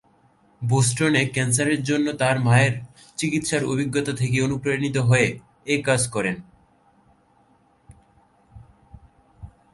বোস্টনে ক্যান্সারের জন্য তার মায়ের চিকিৎসার অভিজ্ঞতা থেকে অনুপ্রাণিত হয়ে এ কাজ করেন।